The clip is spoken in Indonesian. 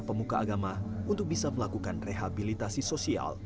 sangat amat dasar jadi ketika kita berpikir